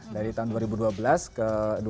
dari tahun dua ribu dua belas ke dua ribu dua puluh